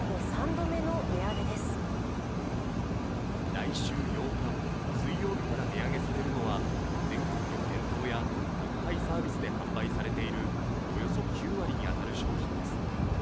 来週８日水曜日から値上げされるのは、全国の店頭や宅配サービスで販売されているおよそ９割に当たる商品です。